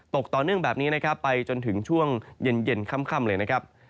ตกต่อเนื่องแบบนี้นะครับไปจนถึงช่วงเย็นค่ำเลยนะครับ